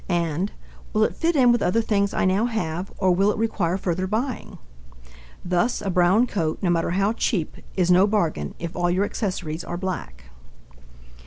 and "Will it fit in with other things I now have, or will it require further buying?" Thus a brown coat, no matter how cheap, is no bargain if all your accessories are black.